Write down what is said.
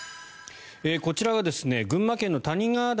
こちらは群馬県の谷川岳